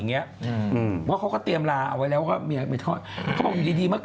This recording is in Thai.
เพราะเขาก็เตรียมลาเอาไว้แล้วเขาจริงสิบเดียวเมื่อหล่ะ